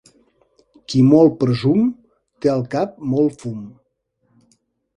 Qui molt presum té al cap molt fum.